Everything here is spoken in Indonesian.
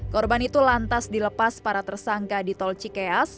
korban itu lantas dilepas para tersangka di tol cikeas